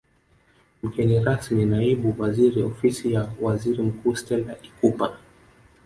Mgeni rasmi Naibu Waziri Ofisi ya Waziri Mkuu Stella Ikupa